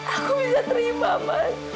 aku bisa terima mas